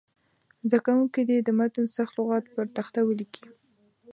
زده کوونکي دې د متن سخت لغات پر تخته ولیکي.